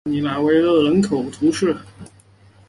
帕尼拉维勒人口变化图示